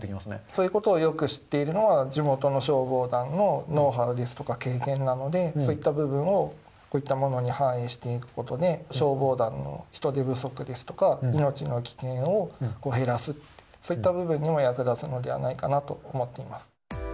そういうことをよく知っているのは、地元の消防団のノウハウですとか、経験なので、そういった部分をこういったものに反映していくことで、消防団の人手不足ですとか、命の危険を減らす、そういった部分にも役立つのではないかなと思っています。